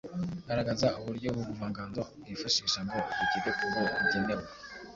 Garagaza uburyo ubu buvanganzo bwifashisha ngo bugere ku bo bugenewe.